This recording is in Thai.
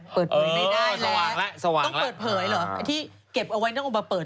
เปิดเผยไม่ได้แล้วต้องเปิดเผยเหรอไอ้ที่เก็บเอาไว้ต้องออกมาเปิด